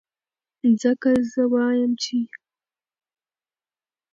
ځکه زۀ وائم چې